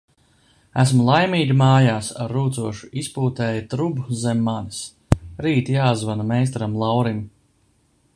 Esmu laimīgi mājās ar rūcošu izpūtēja trubu zem manis. Rīt jāzvana meistaram Laurim.